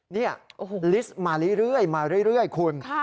นี่ลิสต์มาเรื่อยคุณ